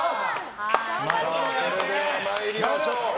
それでは参りましょう。